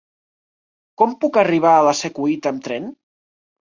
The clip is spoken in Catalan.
Com puc arribar a la Secuita amb tren?